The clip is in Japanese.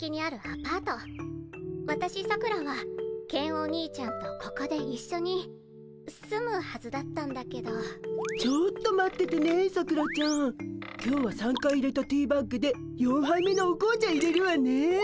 私さくらはケンお兄ちゃんとここで一緒に住むはずだったんだけどちょっと待っててねさくらちゃん。今日は３回いれたティーバッグで４杯目のお紅茶いれるわね。